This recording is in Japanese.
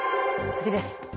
次です。